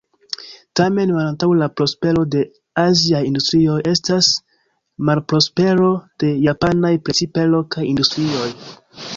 Tamen malantaŭ la prospero de aziaj industrioj estas malprospero de japanaj, precipe lokaj industrioj.